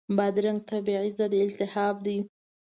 بادرنګ طبیعي ضد التهاب دی.